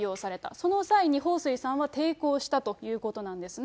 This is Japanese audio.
その際に彭帥さんは抵抗したということなんですね。